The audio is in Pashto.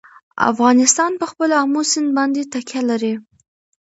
افغانستان په خپل آمو سیند باندې تکیه لري.